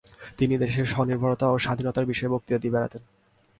তিনি দেশের স্বনির্ভরতা ও স্বাধীনতার বিষয়ে বক্তৃতা দিয়ে বেড়াতেন।